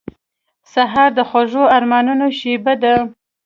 سهار د خوږو ارمانونو شېبه ده.